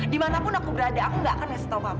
dimanapun aku berada aku nggak akan nesetau kamu